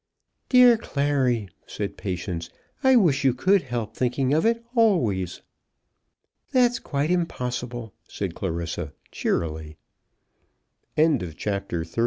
"Dear Clary," said Patience, "I wish you could help thinking of it always." "That's quite impossible," said Clarissa, cheerily. CHAPTER XXXIV.